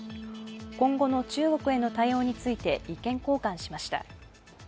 今後の中国への対応について意見交換しました。